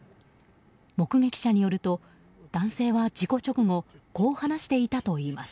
目撃者によると、男性は事故直後こう話していたといいます。